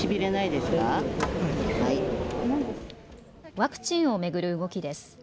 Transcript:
ワクチンを巡る動きです。